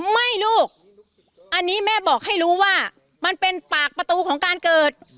ไม่ลูกอันนี้แม่บอกให้รู้ว่ามันเป็นปากประตูของการเกิด